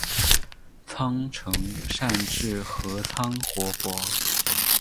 仓成善智合仓活佛。